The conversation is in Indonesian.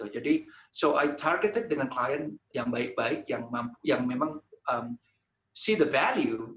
jadi saya menarget dengan klien yang baik baik yang memang melihat nilai